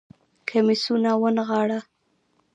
کميسونه ونغاړه